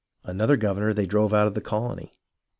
Another governor they drove out of the colony.